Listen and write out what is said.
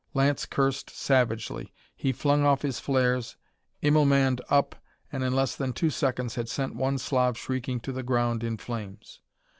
Lance cursed savagely. He flung off his flares, Immelmanned up, and in less than two seconds had sent one Slav shrieking to the ground in flames.